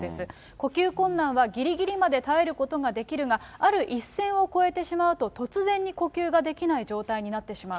呼吸困難はぎりぎりまで耐えることができるが、ある一線を越えてしまうと、突然に呼吸ができない状態になってしまう。